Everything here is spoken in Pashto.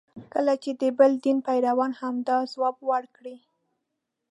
کله چې د بل دین پیروان همدا ځواب ورکړي.